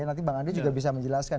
nanti bang andre juga bisa menjelaskan